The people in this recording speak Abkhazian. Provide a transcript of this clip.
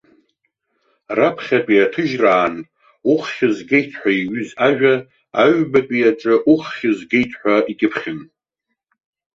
Раԥхьатәи аҭыжьраан уххьзгеит ҳәа иҩыз ажәа, аҩбатәи аҿы уххь згеит ҳәа икьыԥхьын.